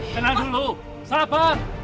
tenang dulu sabar